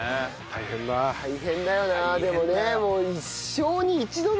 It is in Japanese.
大変だよなでもね。